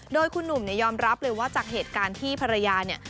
โดยคุณหนุ่มเนี่ยยอมรับเลยว่าจากเหตุการณ์ที่ภรรยาเนี่ย